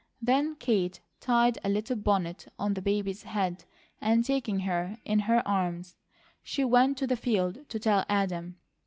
Then Kate tied a little bonnet on the baby's head and taking her in her arms, she went to the field to tell Adam.